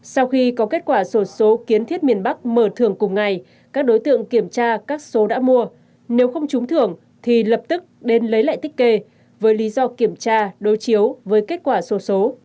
sau khi có kết quả sổ số kiến thiết miền bắc mở thường cùng ngày các đối tượng kiểm tra các số đã mua nếu không trúng thưởng thì lập tức đến lấy lại tích kê với lý do kiểm tra đối chiếu với kết quả sổ số